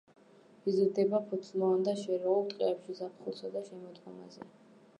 იზრდება ფოთლოვან და შერეულ ტყეებში ზაფხულსა და შემოდგომაზე.